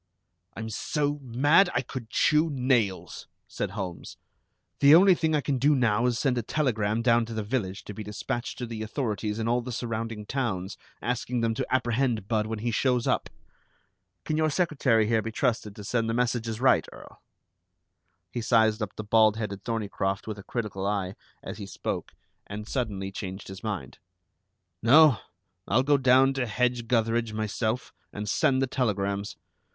"I'm so mad I could chew nails," said Holmes. "The only thing I can do now is to send a telegram down to the village to be dispatched to the authorities in all the surrounding towns, asking them to apprehend Budd when he shows up. Can your secretary here be trusted to send the messages right, Earl?" He sized up the bald headed Thorneycroft with a critical eye, as he spoke, and suddenly changed his mind. "No. I'll go down to Hedge gutheridge myself and send the telegrams.